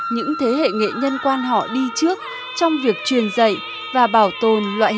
những thế hệ nghệ nhân quan họ đi trước trong việc truyền dạy và bảo tồn loại hình văn hóa dân tộc